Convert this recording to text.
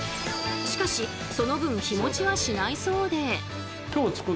しかしその分日もちはしないそうで。